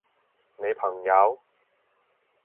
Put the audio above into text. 你朋友？